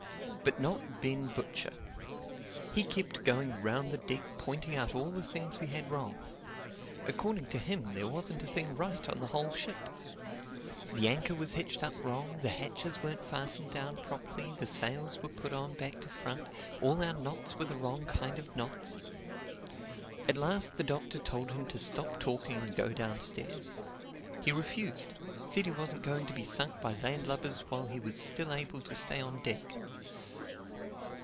But not Ben Butcher. He kept going round the deck pointing out all the things we had wrong. According to him there wasn't a thing right on the whole ship. The anchor was hitched up wrong; the hatches weren't fastened down properly; the sails were put on back to front; all our knots were the wrong kind of knots. At last the Doctor told him to stop talking and go downstairs. He refused—said he wasn't going to be sunk by landlubbers while he was still able to stay on deck.